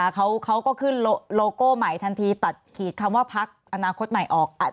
เขาก็ขึ้นโลโก้ใหม่ทันทีตัดขีดคำว่าพักอนาคตใหม่ออก